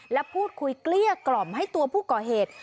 และพูดคุยเกลี้ยกล่อมให้ตัวผู้ก่อเหตุ